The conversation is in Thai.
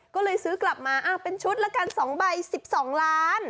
ก็เลยซื้อกลับมาเป็นชุดละกัน๒ใบ๑๒ล้าน